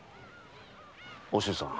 お静さん。